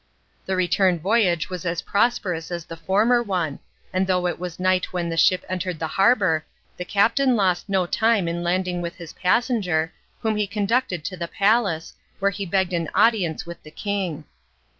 The return voyage was as prosperous as the former one, and though it was night when the ship entered the harbour, the captain lost no time in landing with his passenger, whom he conducted to the palace, where he begged an audience with the king.